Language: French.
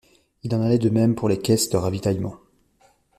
Il en allait de même pour les caisses de ravitaillement.